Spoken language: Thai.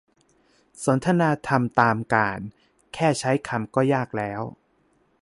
สนทนาธรรมตามกาล แค่ใช้คำก็ยากแล้ว